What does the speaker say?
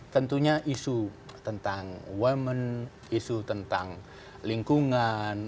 tentunya isu tentang women isu tentang lingkungan